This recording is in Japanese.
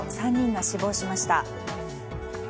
３人が死亡しました。